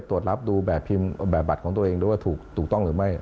ตรวจรับดูแบบพิมพ์แบบบัตรของตัวเองด้วยว่าถูกต้องหรือไม่